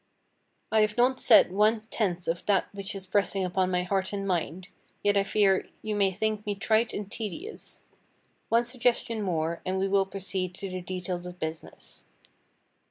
I have not said one tenth of that which is pressing upon my heart and mind, yet I fear you may think me trite and tedious. One suggestion more, and we will proceed to the details of business.